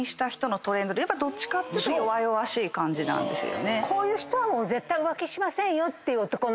どっちかというと弱々しい感じなんですよね。